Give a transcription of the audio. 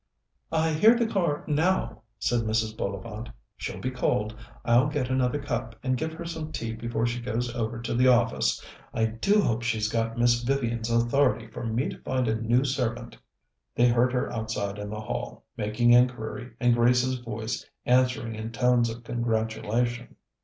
"I hear the car now," said Mrs. Bullivant. "She'll be cold. I'll get another cup, and give her some tea before she goes over to the office. I do hope she's got Miss Vivian's authority for me to find a new servant." They heard her outside in the hall, making inquiry, and Grace's voice answering in tones of congratulation.